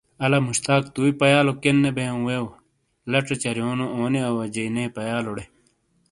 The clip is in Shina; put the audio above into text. الا مشتاق توئی پیالو کینے بییوں ویو ؟ لچھے چریونو اونی اواجئی نے پیالوڑے.